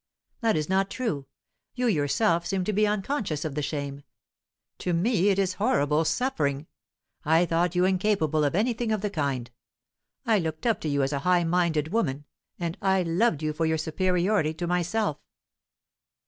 "That is not true! You yourself seem to be unconscious of the shame; to me it is horrible suffering. I thought you incapable of anything of the kind. I looked up to you as a high minded woman, and I loved you for your superiority to myself."